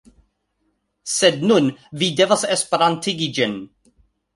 Sed nun, vi devas Esperantigi ĝin.